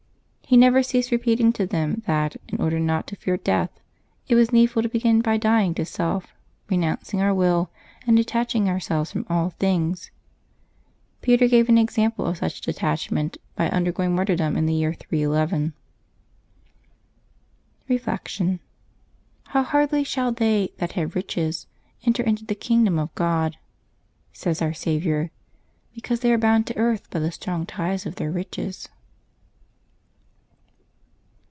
He never ceased repeating to them that, in order not to fear death, it was needful to begin by dying to self, re nouncing our will, and detaching ourselves from all things. NovBMBEB 28] LIVES OF TEE SAINTS 367 St. Peter gave an example of such detachment by under going martyrdom in the year 311. Reflection. —" How hardly shall they that have riches enter into the kingdom of God !" says Our Saviour ; be cause they are bound to earth by the strong ties of their riches.